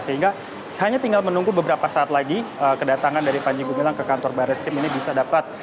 sehingga hanya tinggal menunggu beberapa saat lagi kedatangan dari panji gumilang ke kantor barat skrim ini bisa dapat